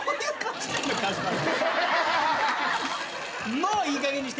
もういいかげんにして。